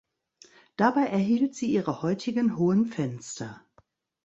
Dabei erhielt sie ihre heutigen hohen Fenster.